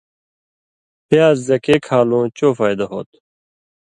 پیاز زکے کھالُوں چو فائدہ ہوتُھو۔